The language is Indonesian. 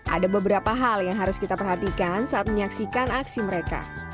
ada beberapa hal yang harus kita perhatikan saat menyaksikan aksi mereka